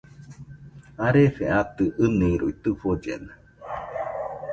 Arefe atɨ ɨniroi tɨfollena